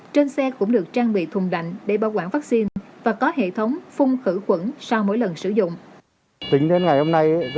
trên xe cũng được trang bị thùng đạnh để bảo quản vaccine và có hệ thống phun khử khuẩn sau mỗi lần sử dụng